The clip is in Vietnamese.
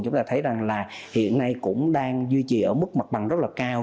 chúng ta thấy hiện nay cũng đang duy trì ở mức mặt bằng rất cao